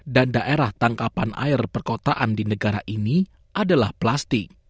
dan daerah tangkapan air perkotaan di negara ini adalah plastik